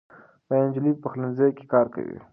دا نجلۍ په پخلنځي کې کار کوي.